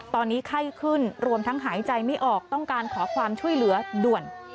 ตอนนี้ไข้ขึ้นรวมทั้งหายใจไม่ออกต้องการขอความช่วยเหลือด่วน